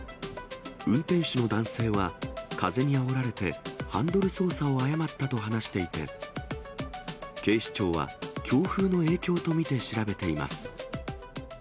運転手の男性は、風にあおられてハンドル操作を誤ったと話していて、警視庁は強風の影響と見て調べています。